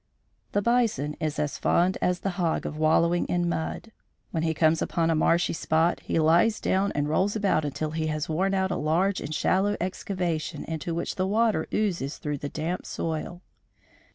The bison is as fond as the hog of wallowing in mud. When he comes upon a marshy spot he lies down and rolls about until he has worn out a large and shallow excavation into which the water oozes through the damp soil.